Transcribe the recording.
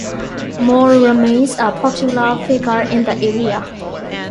Mao remains a popular figure in the area.